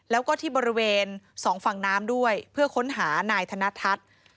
แล้วก็ที่บริเวณสองฝั่งน้ำด้วยเพื่อค้นหานายธนทัศน์